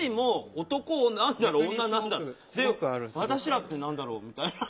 私らって何だろうみたいな。